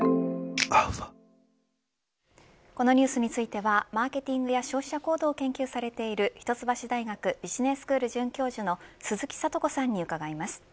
このニュースについてはマーケティングや消費者行動を研究されている一橋大学ビジネススクール准教授の鈴木智子さんに伺います。